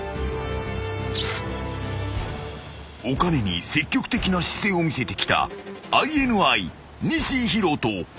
［お金に積極的な姿勢を見せてきたＩＮＩ西洸人］